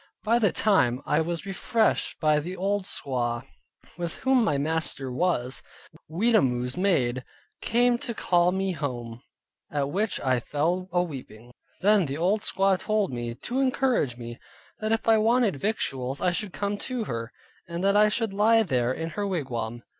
By the time I was refreshed by the old squaw, with whom my master was, Weetamoo's maid came to call me home, at which I fell aweeping. Then the old squaw told me, to encourage me, that if I wanted victuals, I should come to her, and that I should lie there in her wigwam.